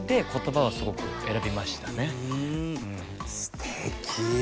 すてき！